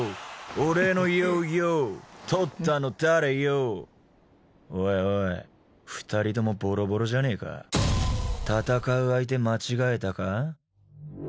俺のヨーヨー盗ったの誰よーおいおい二人ともボロボロじゃねえか戦う相手間違えたか？